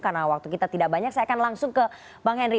karena waktu kita tidak banyak saya akan langsung ke bang henry